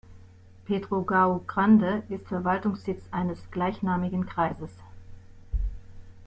Pedrógão Grande ist Verwaltungssitz eines gleichnamigen Kreises.